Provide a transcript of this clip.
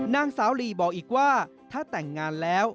นางสาวลีบอกอีกว่าถ้าแต่งงานแล้ว